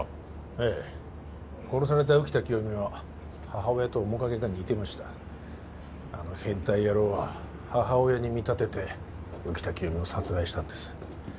ええ殺された浮田清美は母親と面影が似てましたあの変態野郎は母親に見立てて浮田清美を殺害したんです